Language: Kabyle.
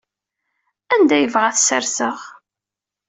Anda i yebɣa ad t-sserseɣ?